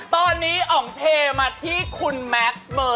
ตอนนี้อ๋องเทมาที่คุณแม็กซ์เบอร์